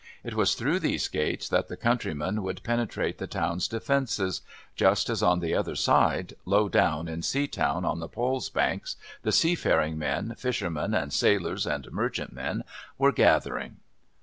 It was through these gates that the countrymen would penetrate the town's defences, just as on the other side, low down in Seatown on the Pol's banks, the seafaring men, fishermen and sailors and merchantmen, were gathering.